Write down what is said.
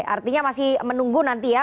artinya masih menunggu nanti ya